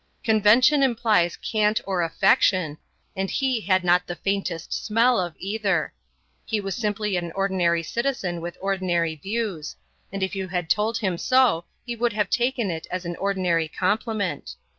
Convention implies cant or affectation, and he had not the faintest smell of either. He was simply an ordinary citizen with ordinary views; and if you had told him so he would have taken it as an ordinary compliment.